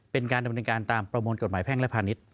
เป็นการดำเนินการตามประมวลกฎหมายแพ่งและพาณิชย์